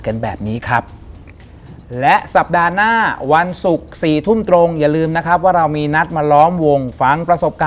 กันแบบนี้ครับ